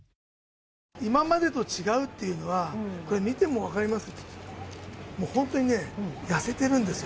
今までと違うっていうのは、これ、見ても分かります、もう本当にね、痩せてるんですよ。